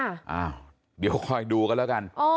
อ้าวเดี๋ยวคอยดูกันแล้วกัน